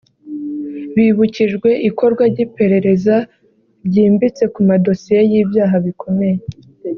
Bibukijwe ikorwa ry’iperereza ryimbitse ku madosiye y’ibyaha bikomeye